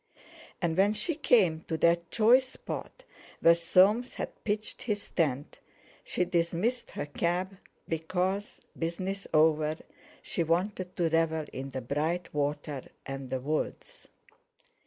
And when she came to that choice spot where Soames had pitched his tent, she dismissed her cab, because, business over, she wanted to revel in the bright water and the woods.